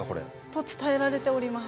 と伝えられております。